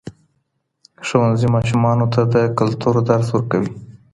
ښوونځي ماشومانو ته د کلتور درس ورکوي.